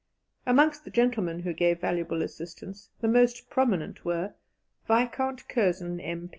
Amongst the gentlemen who gave valuable assistance, the most prominent were: Viscount Curzon, M.